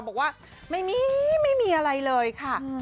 บอกว่าไม่มีไม่มีอะไรเลยค่ะ